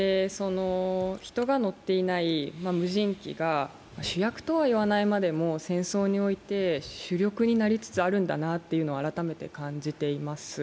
人が乗っていない無人機が飛躍とは言わないまでも戦争において、主力になりつつあるんだなというのを改めて感じております。